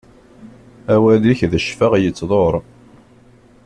Awal-ik d ccfa yettḍur.